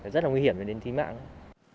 rất là nguy hiểm và đến thi mạng